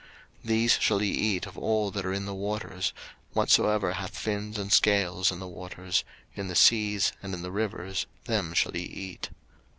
03:011:009 These shall ye eat of all that are in the waters: whatsoever hath fins and scales in the waters, in the seas, and in the rivers, them shall ye eat.